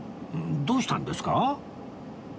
どうしたんですか？